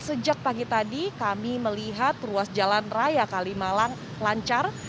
sejak pagi tadi kami melihat ruas jalan raya kalimalang lancar